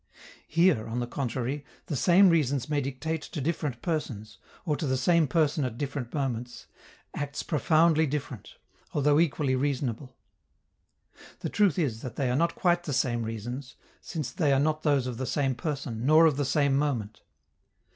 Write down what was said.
Here, on the contrary, the same reasons may dictate to different persons, or to the same person at different moments, acts profoundly different, although equally reasonable. The truth is that they are not quite the same reasons, since they are not those of the same person, nor of the same moment.